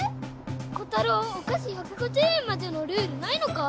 コタローお菓子１５０円までのルールないのか？